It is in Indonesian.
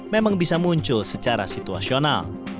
memang bisa muncul secara situasional